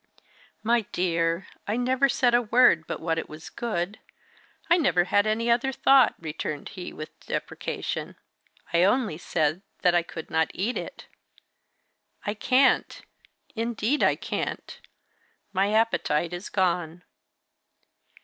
"My dear, I never said a word but what it was good; I never had any other thought," returned he, with deprecation. "I only said that I could not eat it. I can't indeed, I can't! My appetite is gone."